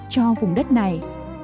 cho vùng đất này